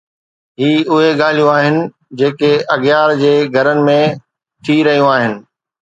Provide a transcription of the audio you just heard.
هي اهي ڳالهيون آهن جيڪي اغيار جي گهرن ۾ ٿي رهيون آهن؟